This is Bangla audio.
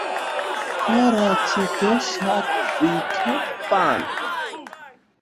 করাচিতে সাত উইকেট পান।